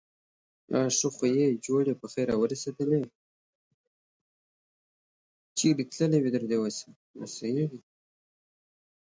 The differences will appear to blink in and out of one's vision.